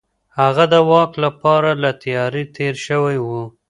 هغه د واک لپاره له تيارۍ تېر شوی و.